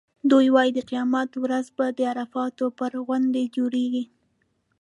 دوی وایي د قیامت ورځ به د عرفات پر غونډۍ جوړېږي.